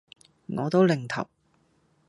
我都擰頭